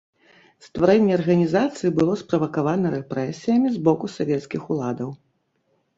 Стварэнне арганізацыі было справакавана рэпрэсіямі з боку савецкіх уладаў.